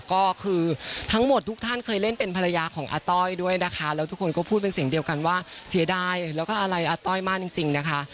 ก็คือทั้งหมดทุกท่านเคยเล่นเป็นภรรยาของอาต้อยด้วยนะคะแล้วทุกคนก็พูดเป็นเสียงเดียวกันว่าเสียดายแล้วก็อะไรอาต้อยมากจริงนะคะ